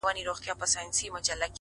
عاجزي د احترام دروازې پرانیستې ساتي!.